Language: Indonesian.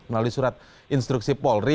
melalui surat instruksi polri